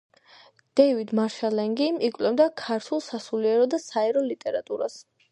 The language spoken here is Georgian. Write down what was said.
დეივიდ მარშალ ლენგი იკვლევდა ქართულ სასულიერო და საერო ლიტერატურას.